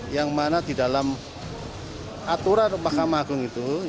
yang mana di dalam aturan mahkamah agung itu